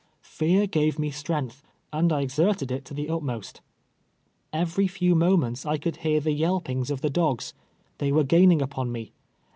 Fear gave me strength, and I exerted it to the ntmost. Every few moments I could hear the yelpings of the dogs. Tliey were gaining upon me.